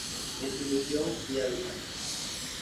Distribución y hábitat.